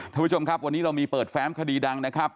ท่านผู้ชมครับวันนี้เรามีเปิดแฟ้มคดีดังนะครับ